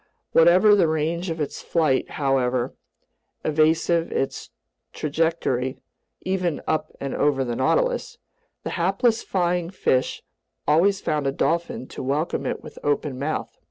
Whatever the range of its flight, however evasive its trajectory (even up and over the Nautilus), the hapless flying fish always found a dolphin to welcome it with open mouth.